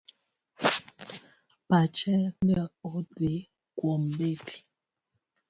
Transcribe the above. Pache ne odhi kuom Betty.